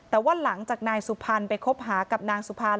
แต่ว่าหลังจากนายสุพรรณไปคบหากับนางสุพรรณ